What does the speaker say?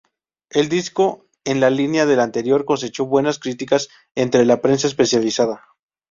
El disco, en la línea del anterior, cosechó buenas críticas entre la prensa especializada.